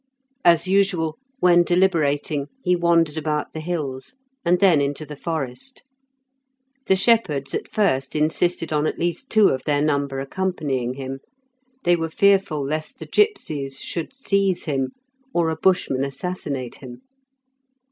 As usual, when deliberating, he wandered about the hills, and then into the forest. The shepherds at first insisted on at least two of their number accompanying him; they were fearful lest the gipsies should seize him, or a Bushman assassinate him.